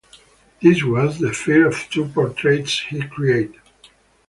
This was the first of two portraits he created.